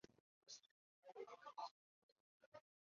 潘泰尔维勒人口变化图示